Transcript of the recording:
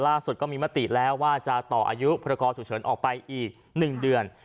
ก็มีมติแล้วว่าจะต่ออายุพรกรฉุกเฉินออกไปอีก๑เดือน